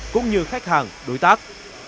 cũng như khách hàng đối tác